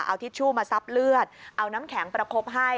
เอาทิชชู่มาซับเลือดเอาน้ำแข็งประคบให้